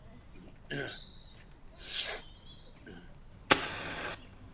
Facebook কর্তৃপক্ষ বলছে, Facebook at work ব্যবহার করলে প্রতিষ্ঠানের খরচ বেঁচে যাবে।